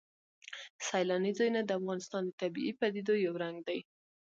سیلانی ځایونه د افغانستان د طبیعي پدیدو یو رنګ دی.